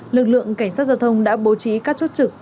lực lượng cảnh sát giao thông đã bố trí các chốt trực